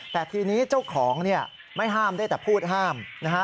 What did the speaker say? แต่ทีนี้เจ้าของเนี่ยไม่ห้ามได้แต่พูดห้ามนะฮะ